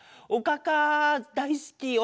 おかか大好き。